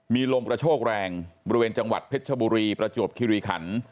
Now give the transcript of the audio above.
มีลมกระโชกแรงบริเวณจังหวัดเพชรชบุรีประจวบคิริขัน